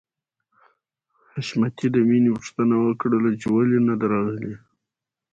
حشمتي د مینې پوښتنه وکړه چې ولې نده راغلې